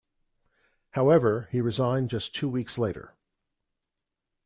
However, he resigned just two weeks later.